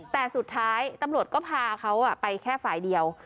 แต่สุดท้ายตำรวจก็พาเขาไปแค่ฝ่ายเดียว